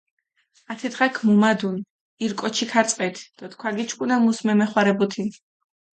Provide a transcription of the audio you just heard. ათე დღაქ მუმადუნ ირ კოჩი ქარწყეთ დო თქვა გიჩქუნა, მუს მემეხვარებუთინ.